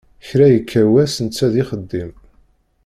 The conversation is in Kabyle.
Kra yekka wass netta d ixeddim.